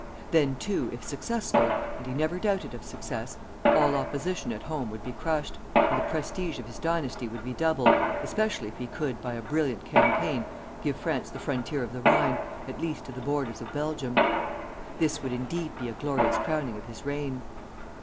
Then, too, if successful, and he never doubted of success, all opposition at home would be crushed, and the prestige of his dynasty would be doubled, especially if he could, by a brilliant campaign, give France the frontier of the Rhine, at least to the borders of Belgium. This would indeed be a glorious crowning of his reign.